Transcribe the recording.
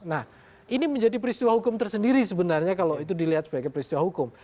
nah ini menjadi peristiwa hukum tersendiri sebenarnya kalau itu dilihat sebagai peristiwa hukum